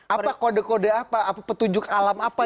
apa kode kode apa petunjuk alam apa